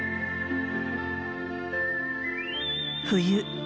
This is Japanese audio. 冬。